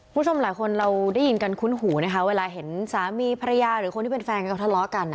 คุณผู้ชมหลายคนเราได้ยินกันคุ้นหูนะคะเวลาเห็นสามีภรรยาหรือคนที่เป็นแฟนกันเขาทะเลาะกัน